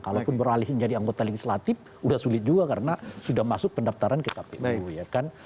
kalaupun beralihin jadi anggota legislatif sudah sulit juga karena sudah masuk pendaftaran ke kpu ya kan